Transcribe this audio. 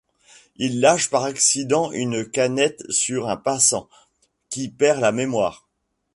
Il lâche par accident une canette sur un passant, qui perd la mémoire...